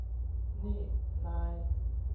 นี่นาย